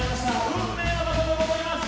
運命の戦いでございます。